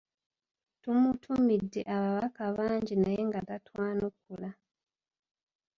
Tumutumidde ababaka bangi naye nga tatwanukula.